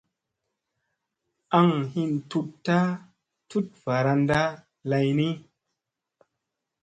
Aŋ hin tutta tut varanda lay ni.